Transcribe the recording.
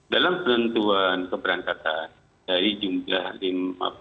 dalam tentuan keberangkatan dari jumlah lima